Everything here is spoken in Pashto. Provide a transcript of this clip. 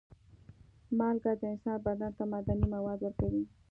مالګه د انسان بدن ته معدني مواد ورکوي.